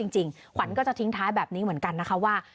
จริงขวัญก็จะทิ้งท้ายแบบนี้เหมือนกันนะคะว่า